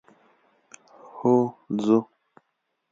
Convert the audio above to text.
هو ځو.